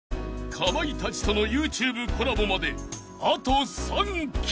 ［かまいたちとのＹｏｕＴｕｂｅコラボまであと３曲］